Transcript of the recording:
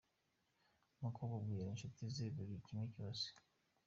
Umukobwa abwira inshuti ze buri kimwe cyose.